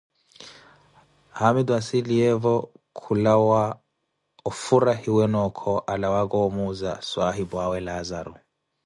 Haamitu anssiliyevo, khulanka wa ofhurahiwene okho alawaka omuuza swahipwaawe Laazaro.